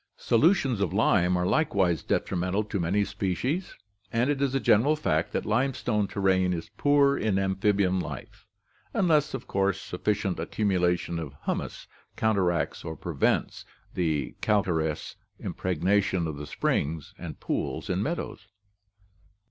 Solutions of lime are likewise detrimental to many species, and it is a general fact that limestone terrain is poor in amphibian life, unless, of course, sufficient accumulation of humus counteracts or prevents the calcareous impregnation of the springs and pools in meadows.